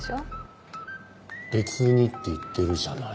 「別に」って言ってるじゃないか。